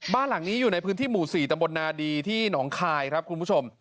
บ้านหลังนี้อยู่ในพื้นที่หมู่๔ตำบลนาดีที่หนองคายครับคุณผู้ชม